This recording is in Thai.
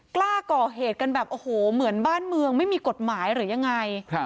กล้าก่อเหตุกันแบบโอ้โหเหมือนบ้านเมืองไม่มีกฎหมายหรือยังไง